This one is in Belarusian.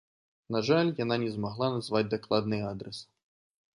На жаль, яна не змагла назваць дакладны адрас.